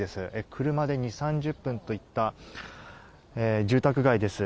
車で２０３０分といった住宅街です。